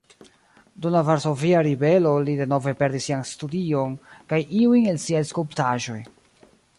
Dum la Varsovia Ribelo li denove perdis sian studion kaj iujn el siaj skulptaĵoj.